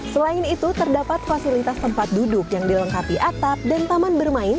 selain itu terdapat fasilitas tempat duduk yang dilengkapi atap dan taman bermain